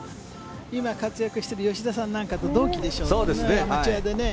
今活躍している吉田さんなんかと同期でしょう、アマチュアでね。